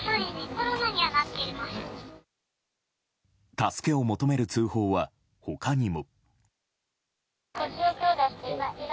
助けを求める通報は、他にも。